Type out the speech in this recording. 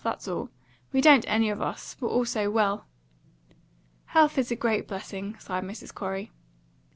That's all. We don't any of us; we're all so well." "Health is a great blessing," sighed Mrs. Corey.